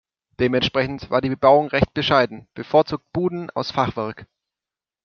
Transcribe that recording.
Dementsprechend war die Bebauung recht bescheiden, bevorzugt Buden aus Fachwerk.